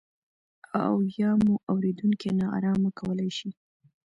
او یا مو اورېدونکي نا ارامه کولای شي.